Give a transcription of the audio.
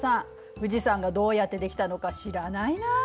富士山がどうやって出来たのか知らないな？